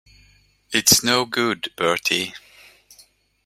It's no good, Bertie.